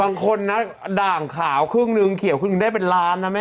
บางคนนะด่างขาวครึ่งหนึ่งเขียวครึ่งหนึ่งได้เป็นล้านนะแม่